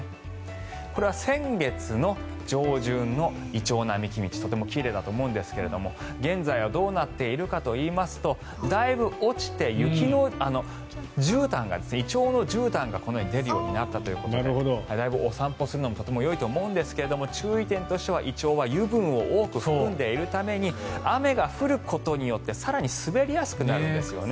これは先月上旬のイチョウ並木道とても奇麗だと思うんですが現在はどうなっているかといいますとだいぶ落ちてイチョウのじゅうたんがこのように出るようになったということでだいぶ、お散歩するのにとてもよいと思うんですが注意点としては、イチョウは油分を多く含んでいるために雨が降ることによって更に滑りやすくなるんですね。